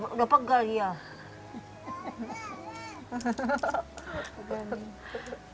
udah pegal dia